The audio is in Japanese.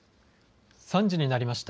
３時になりました。